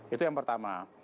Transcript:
itu yang pertama